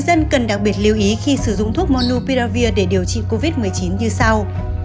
dân cần đặc biệt lưu ý khi sử dụng thuốc monu piravir để điều trị covid một mươi chín như sau